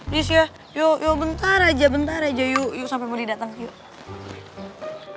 nge spot gisnadist biokou bentar aja bentar aja bentar ona kosong pelo kalian yang teguh file ngetahu n sisters because megank ish while ah